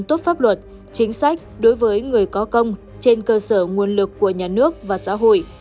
tốt pháp luật chính sách đối với người có công trên cơ sở nguồn lực của nhà nước và xã hội